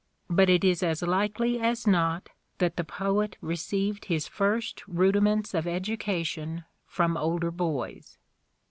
. but it is as likely as not that the poet received his first rudiments of education from older boys."